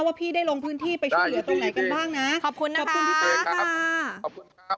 ว่าพี่ได้ลงพื้นที่ไปช่วยเหลือตรงไหนกันบ้างนะขอบคุณนะขอบคุณพี่ต้าค่ะขอบคุณครับ